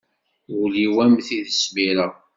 Ul-iw am t-id-smireɣ.